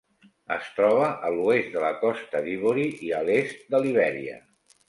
Es troba a l'oest de la Costa d'Ivori i a l'est de Libèria.